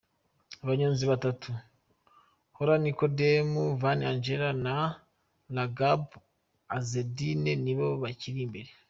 Abanyonzi batatu Holler Nikodemus, Van Engelen na Lagab Azzedine ni bo bakiri imbere.